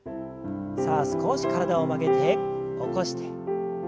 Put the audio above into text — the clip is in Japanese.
さあ少し体を曲げて起こして。